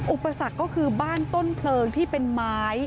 อุปสรรคก็คือบ้านต้นเพลิงที่เป็นไม้